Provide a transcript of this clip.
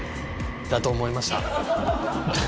だと思いました。